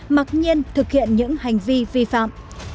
mặc nhiên thực hiện những hành vi ghi nhận hàng trăm người đứng xem